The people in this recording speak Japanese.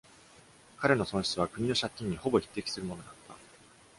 彼の損失は国の借金にほぼ匹敵するものだった。